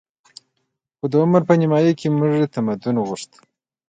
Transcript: خو د عمر په نیمايي کې موږ تمدن غوښت